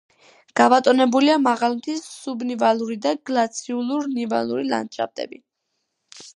გაბატონებულია მაღალმთის სუბნივალური და გლაციალურ-ნივალური ლანდშაფტები.